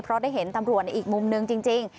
เพราะได้เห็นตำรวจในอีกมุมนึงจริง